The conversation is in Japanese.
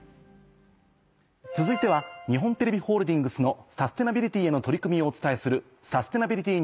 続いては日本テレビホールディングスのサステナビリティへの取り組みをお伝えする。